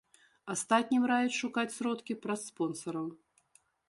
Астатнім раяць шукаць сродкі праз спонсараў.